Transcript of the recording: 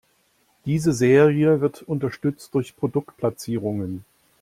Diese Serie wird unterstützt durch Produktplatzierungen.